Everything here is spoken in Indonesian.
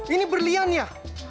ini berlian ya